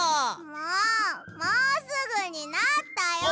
もうもうすぐになったよ！